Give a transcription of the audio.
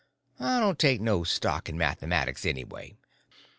I don't take no stock in mathematics, anyway.